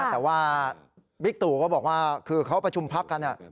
แต่ว่าบิ๊กตู่ก็บอกว่าคือเขาประชุมพักกัน